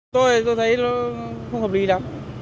tôi thấy nó không hợp lý lắm